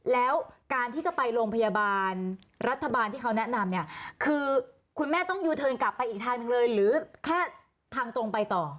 แล้วการที่จะไปโรงพยาบาลรัฐบาลที่เขาแนะนำเนี่ยคือคุณแม่ต้องยูเทิร์นกลับไปอีกทางหนึ่งเลยหรือแค่ทางตรงไปต่อ